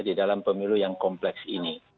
di dalam pemilu yang kompleks ini